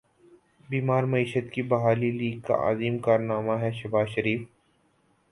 بیمار معیشت کی بحالی لیگ کا عظیم کارنامہ ہے شہباز شریف